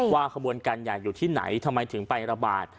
ขบวนการใหญ่อยู่ที่ไหนทำไมถึงไประบาด